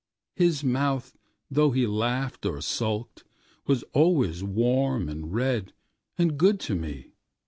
His mouth, though he laughed or sulked, Was always warm and redAnd good to me.